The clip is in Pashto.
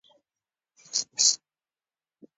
سرحدونه د افغان کورنیو د دودونو مهم عنصر دی.